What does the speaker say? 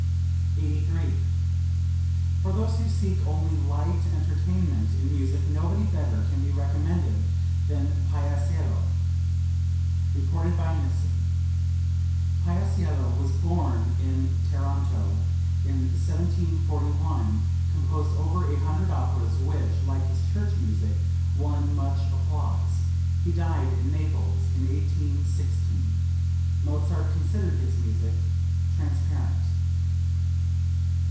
83. "For those who seek only light entertainment in music nobody better can be recommended than Paisiello." (Reported by Nissen. Paisiello was born in Taranto in 1741, composed over a hundred operas which, like his church music, won much applause. He died in Naples in 1816. Mozart considered his music "transparent.")